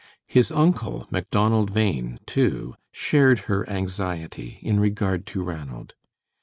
His uncle, Macdonald Bhain, too, shared her anxiety in regard to Ranald.